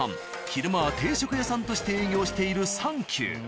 昼間は定食屋さんとして営業している「三九」。